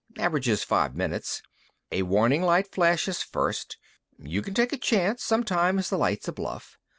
Averages five minutes. A warning light flashes first. You can take a chance; sometimes the light's a bluff.